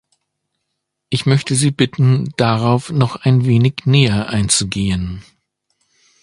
Ich möchte Sie bitten, darauf noch ein wenig näher einzugehen.